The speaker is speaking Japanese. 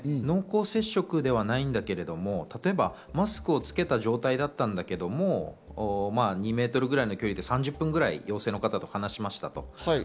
濃厚接触ではないんだけれども、例えばマスクをした状態だったけれども、２メートルくらいの距離で３０分くらい陽性の方と話した。